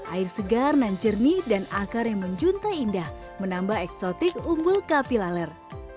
air segar nanjernih dan akar yang menjunta indah menambah eksotik umbul kapilaler